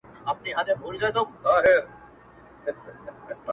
لاري خالي دي له انسانانو!